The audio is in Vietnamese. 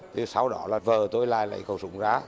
thì sau đó là vờ tôi lại lấy cầu súng ra